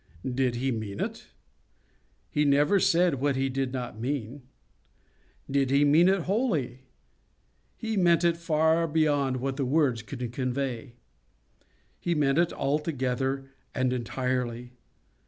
Did He mean it?—He never said what He did not mean. Did He mean it wholly?—He meant it far beyond what the words could convey. He meant it altogether and entirely.